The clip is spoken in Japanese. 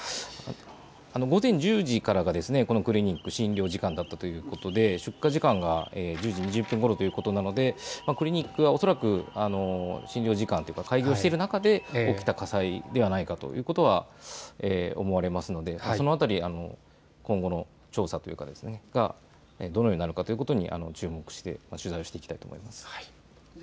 午前１０時からこのクリニック、診療時間だったということで出火時間が１０時２０分ごろということなのでクリニックが恐らく診療時間というか開業している中で起きた火災ではないかということが思われますのでその辺り、今後の調査でどのようになるのか注目して取材していきたいと思います。